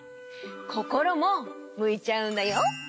こころもむいちゃうんだよ。